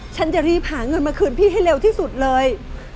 ฉันจะรีบหาเงินมาคืนพี่ให้เร็วที่สุดเลย